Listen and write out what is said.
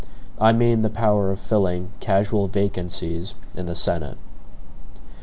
I mean the power of filling casual vacancies in the Senate.